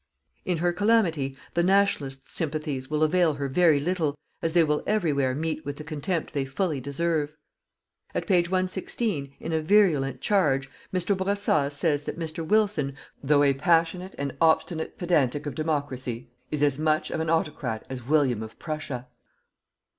In her calamity, the Nationalists' sympathies will avail her very little, as they will everywhere meet with the contempt they fully deserve. At page 116, in a virulent charge, Mr. Bourassa says that Mr. Wilson though a passionate and obstinate pedantic of democracy, is as much of an autocrat as William of Prussia.